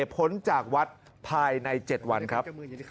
พ้นจากวัดภายใน๗วันครับ